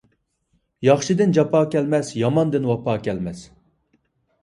ياخشىدىن جاپا كەلمەس، ياماندىن ۋاپا كەلمەس.